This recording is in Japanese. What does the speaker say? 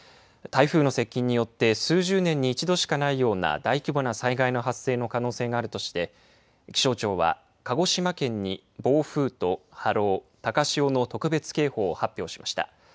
台風の接近によって数十年に一度しかないような大規模な災害の発生の可能性があるとして気象庁は鹿児島県に暴風と波浪高潮の特別警報を発表しました。